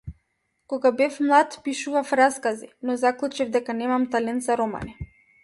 Кога бев млад пишував раскази, но заклучив дека немам талент за романи.